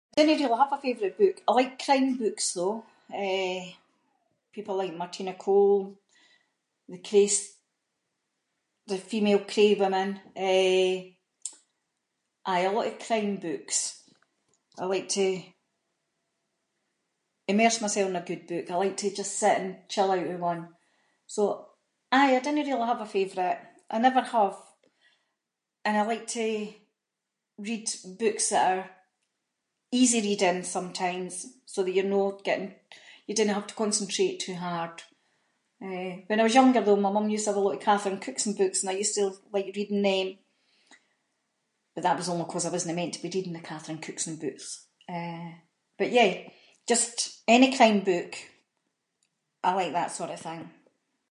I dinnae really have a favourite book, I like crime books though, eh, people like Martina Cole, the Crays- the female Cray women. Eh, aye, a lot of crime books, I like to immerse myself in a good book. I like to just sit and chill out with one. So, aye, I dinnae really have a favourite, I never have, and I like to read books that are easy reading sometimes so that you’re no getting- you dinnae have to concentrate too hard. Eh, when I was younger though, my mum used to have a lot of Catherine Cookson books, and I used to like reading them. But that was only because I wasna meant to be reading the Catherine Cookson books, eh. But yeah, just any crime book. I like that sort of thing.